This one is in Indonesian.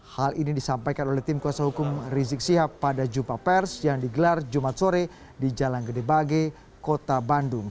hal ini disampaikan oleh tim kuasa hukum rizik sihab pada jumpa pers yang digelar jumat sore di jalan gede bage kota bandung